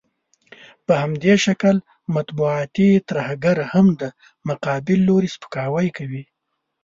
په همدې شکل مطبوعاتي ترهګر هم د مقابل لوري سپکاوی کوي.